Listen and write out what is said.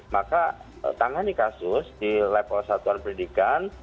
maka tangani kasus di level satuan pendidikan